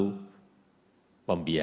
selalu tidak ada pembayaran